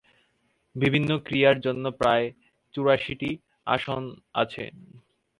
বিভিন্ন ক্রিয়ার জন্য প্রায় চুরাশীটি আসন আছে।